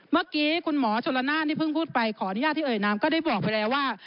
เมื่อกี้คุณหมอชนละนานที่เพิ่งพูดไปขออนุญาตที่เอ่ยนามก็ได้บอกไปแล้วว่า